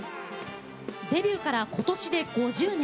デビューから今年で５０年。